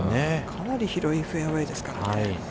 かなり広いフェアウェイですからね。